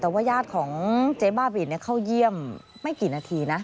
แต่ว่าญาติของเจ๊บ้าบินเข้าเยี่ยมไม่กี่นาทีนะ